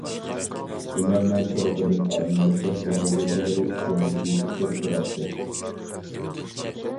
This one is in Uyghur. بۇلارنىڭ تۇرقىدىن ئالىي مەكتەپ ئوقۇغۇچىلىرى ئىكەنلىكى چىقىپ تۇراتتى.